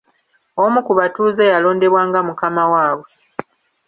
Omu ku batuuze yalondebwa nga mukama waabwe.